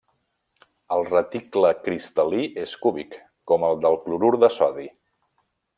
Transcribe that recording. El reticle cristal·lí és cúbic, com el del clorur de sodi.